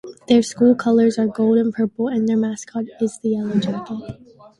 Their school colors are gold and purple and their mascot is the yellow jacket.